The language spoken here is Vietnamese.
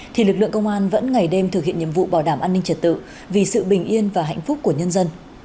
thì lực lượng công an vẫn ngày đêm thực hiện nhiệm vụ bảo đảm an ninh trật tự vì sự bình yên và hạnh phúc của nhân dân